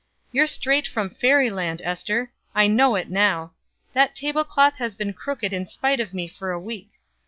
"You're straight from fairy land, Ester; I know it now. That table cloth has been crooked in spite of me for a week.